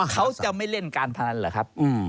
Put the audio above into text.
เขาจะไม่เล่นการพนันเหรอครับ